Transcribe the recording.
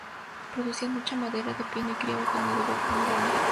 Producía mucha madera de pino y criaba ganado vacuno y lanar.